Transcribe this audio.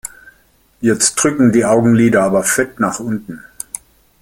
Jetzt drücken die Augenlider aber fett nach unten.